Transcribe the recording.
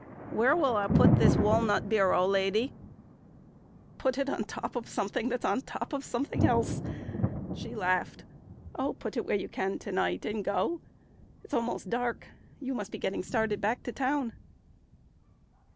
"Where will I put this walnut bureau, lady?" "Put it on top of something that's on top Of something else," she laughed. "Oh, put it where You can to night, and go. It's almost dark; You must be getting started back to town."